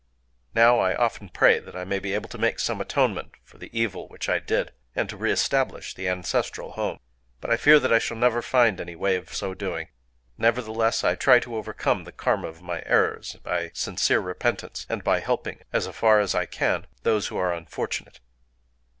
Now I often pray that I may be able to make some atonement for the evil which I did, and to reestablish the ancestral home. But I fear that I shall never find any way of so doing. Nevertheless, I try to overcome the karma of my errors by sincere repentance, and by helping, as far as I can, those who are unfortunate."